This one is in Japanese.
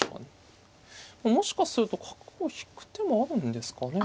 もしかすると角を引く手もあるんですかね。